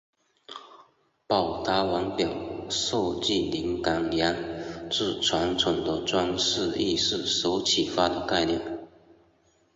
宝达腕表设计灵感源自传统的装饰艺术所启发的概念。